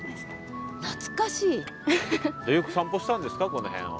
この辺を。